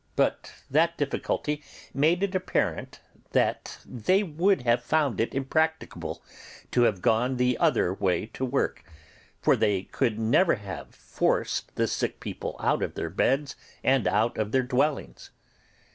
But that difficulty made it apparent that they would have found it impracticable to have gone the other way to work, for they could never have forced the sick people out of their beds and out of their dwellings.